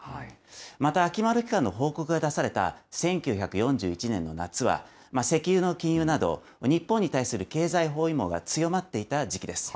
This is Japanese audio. また、秋丸機関の報告が出された１９４１年の夏は、石油の禁輸など、日本に対する経済包囲網が強まっていた時期です。